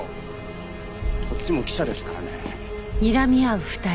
こっちも記者ですからね。